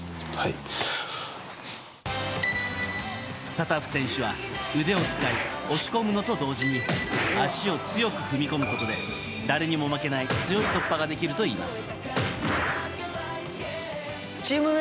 タタフ選手は腕を使い押し込むのと同時に脚を強く踏み込むことで誰にも負けない強い突破ができるといいます。